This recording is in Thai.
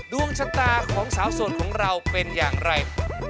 ดวงชะตาของสาวโสดของเราเป็นอย่างไร